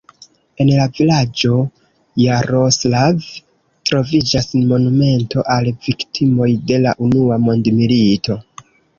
En la vilaĝo Jaroslav troviĝas monumento al viktimoj de la unua mondmilito.